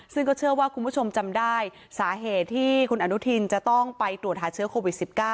ซึ่งก็เชื่อว่าคุณผู้ชมจำได้สาเหตุที่คุณอนุทินจะต้องไปตรวจหาเชื้อโควิด๑๙